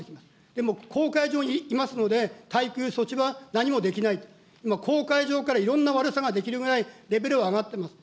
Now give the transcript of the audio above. でも公海上にいますので、対空措置は何もできないと、公海上からいろんな悪さができるくらいレベルは上がっています。